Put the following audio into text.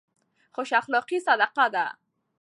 خوش اخلاقي صدقه ده.